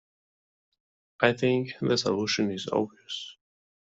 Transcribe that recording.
I think the solution is obvious.